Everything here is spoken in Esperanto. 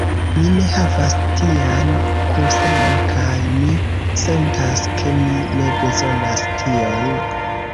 Mi ne havas tian kusenon, kaj mi sentas ke mi ne bezonas tion.